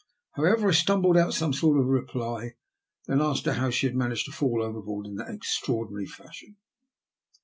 However, I stumbled out some sort of a reply, and then asked her how she had managed to fall overboard in that extra ordinary fashion.